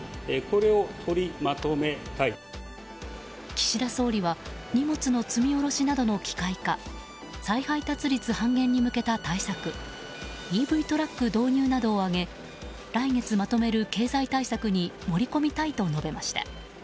岸田総理は荷物の積み下ろしなどの機械化再配達率半減に向けた対策ＥＶトラック導入などを挙げ来月まとめる経済対策に盛り込みたいと述べました。